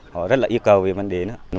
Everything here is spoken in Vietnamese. họ rất là yêu cầu về vấn đề đó